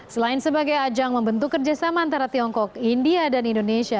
selain sebagai ajang membentuk kerjasama antara tiongkok india dan indonesia